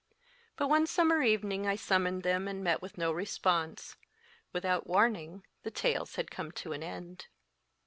But one summer evening I summoned them and met with no response. Without warning the tales had come to an end.